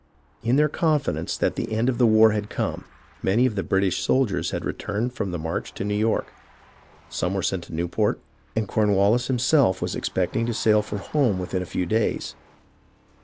In their confidence that the end of the war had come, many of the British soldiers had returned from the march to New York. Some were sent to Newport, and Cornwallis him self was expecting to sail for home within a few days.